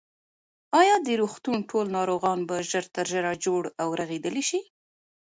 ایا د روغتون ټول ناروغان به ژر تر ژره جوړ او رغېدلي شي؟